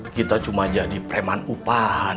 kita cuma jadi preman upan